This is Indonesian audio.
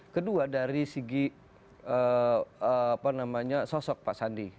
kedua dari segi sosok pak sandi